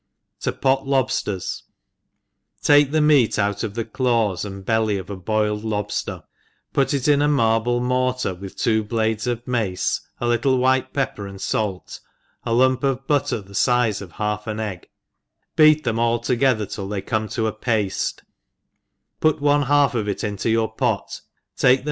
To pOf LoBSTERSi TAKE th6 meat out of the claws arid belly of a boiled lobfter, put it in a marble mortar,^ with two blades of mace, a little white pepper and fait, a lump of butter the fize of half an egg, beat them all together till they come to a paitct put one half of it into your pot, take the a meart i ENGLISH MOUSE KEEPER.